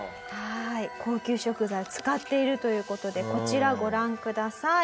高級食材使っているという事でこちらご覧ください。